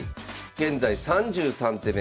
現在３３手目。